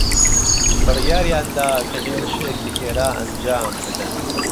بڕیاریان دا کە هێرشێکی خێرا ئەنجام بدەن.